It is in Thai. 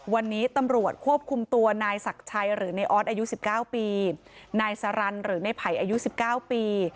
วันนี้ตำรวจควบคุมตัวนายศักดิ์ชัยหรือในออสอายุสิบเก้าปีนายสรรรค์หรือในภัยอายุสิบเก้าปี